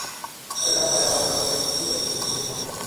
তবে তাঁরা পরে আবার লেবার কোর্টে গিয়ে ক্ষতিপূরণ নিয়ে মীমাংসা করে ফেলেন।